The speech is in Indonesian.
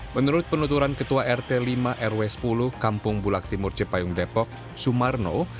menurut penuturan ketua rt lima rw sepuluh kampung bulak timur cipayung depok sumarno